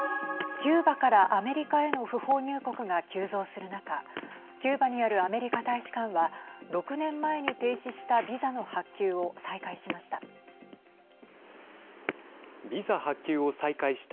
キューバからアメリカへの不法入国が急増する中キューバにあるアメリカ大使館は６年前に停止したビザの発給を再開しました。